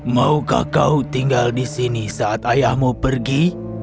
maukah kau tinggal di sini saat ayahmu pergi